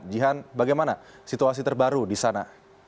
jihan bagaimana situasi terbaru di sana